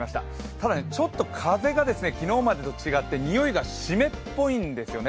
ただ、ちょっと風が昨日までと違ってにおいが湿っぽいんですよね。